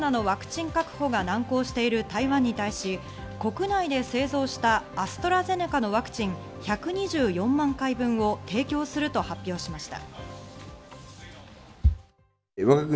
政府は新型コロナのワクチン確保が難航している台湾に対し、国内で製造したアストラゼネカのワクチン１２４万回分を提供すると発表しました。